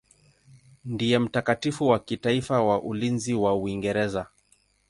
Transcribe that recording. Ndiye mtakatifu wa kitaifa wa ulinzi wa Uingereza.